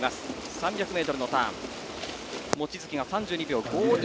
３００ｍのターン望月が３２秒５２。